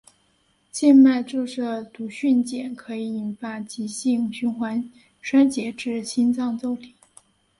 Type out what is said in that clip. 静脉注射毒蕈碱可以引发急性循环衰竭至心脏骤停。